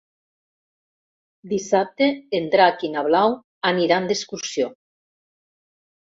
Dissabte en Drac i na Blau aniran d'excursió.